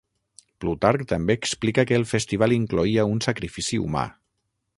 Plutarc també explica que el festival incloïa un sacrifici humà.